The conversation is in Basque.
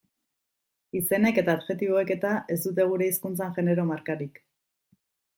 Izenek eta adjektiboek eta ez dute gure hizkuntzan genero markarik.